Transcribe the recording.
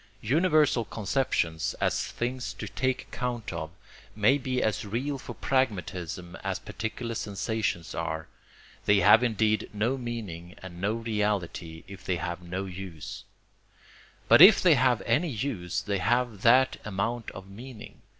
Universal conceptions, as things to take account of, may be as real for pragmatism as particular sensations are. They have indeed no meaning and no reality if they have no use. But if they have any use they have that amount of meaning.